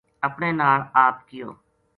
اپنے ناڑ آپ کیو